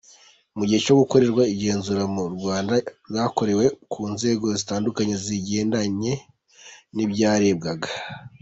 Mu gihe cyo gukora igenzura, mu Rwanda ryakorewe ku nzego zitandukanye zigendanye n’ibyarebwaga.